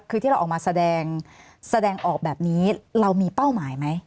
คือที่เราออกมาแสดงแสดงออกแบบนี้เรามีเป้าหมายไหม